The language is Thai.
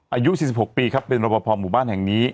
อายุ๔๖ปีครับเป็นรบพอหมู่บ้านแห่งนี้